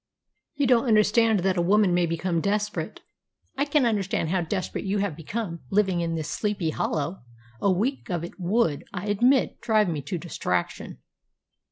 "You don't understand that a woman may become desperate." "I can understand how desperate you have become, living in this 'Sleepy Hollow.' A week of it would, I admit, drive me to distraction."